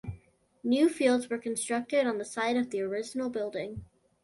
New fields were constructed on the site of the original building.